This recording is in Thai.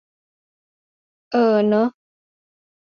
เออเนอะ